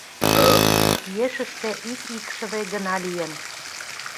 Ешыште ик икшыве гына лийын.